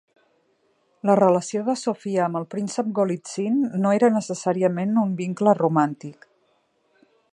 La relació de Sophia amb el príncep Golitsyn no era necessàriament un vincle romàntic.